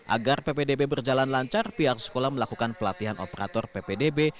agar ppdb berjalan lancar pihak sekolah melakukan pelatihan operator ppdb